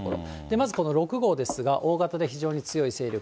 まずこの６号ですが、大型で非常に強い勢力。